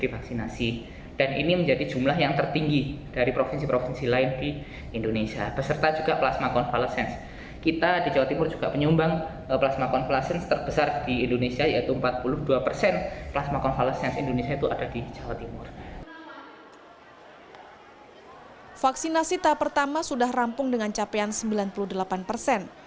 vaksinasi tahap pertama sudah rampung dengan capaian sembilan puluh delapan persen